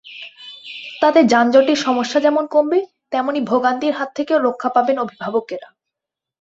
তাতে যানজটের সমস্যা যেমন কমবে, তেমনি ভোগান্তির হাত থেকেও রক্ষা পাবেন অভিভাবকেরা।